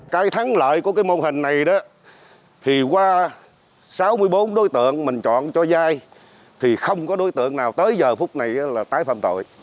cái thắng lợi của cái mô hình này đó thì qua sáu mươi bốn đối tượng mình chọn cho dai thì không có đối tượng nào tới giờ phút này là tái phạm tội